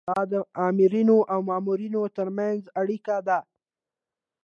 دا د آمرینو او مامورینو ترمنځ اړیکه ده.